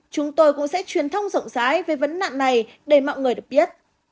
chúng tôi cũng sẽ truyền thông rộng rãi về vấn nạn này để mọi người được biết